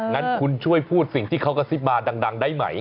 งั้นคุณช่วยพูดสิ่งที่เขากระซิบมาดังได้ไหม